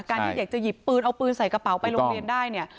ที่อยากจะหยิบปืนเอาปืนใส่กระเป๋าไปโรงเรียนได้เนี่ย